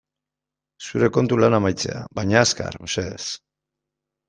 Zure kontu lana amaitzea baina azkar, mesedez.